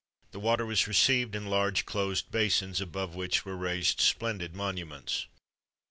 The water was received in large closed basins, above which were raised splendid monuments.